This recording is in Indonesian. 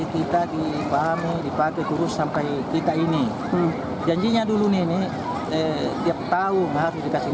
kita dipahami dipakai terus sampai kita ini janjinya dulu nenek tiap tahun bahwa dikasih